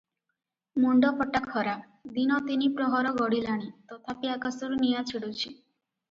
ମୁଣ୍ତଫଟା ଖରା; ଦିନ ତିନିପ୍ରହର ଗଡ଼ିଲାଣି; ତଥାପି ଆକାଶରୁ ନିଆଁ ଛିଡୁଛି ।